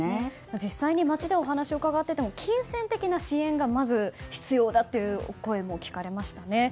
実際に街でお話を伺っても金銭的な支援がまず必要だという声も聞かれましたね。